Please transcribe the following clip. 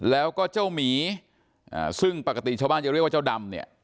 แล้วก็เจ้าหมีซึ่งปกติชาวบ้านจะเรียกว่าเจ้าดำเนี่ย